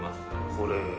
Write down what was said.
これ。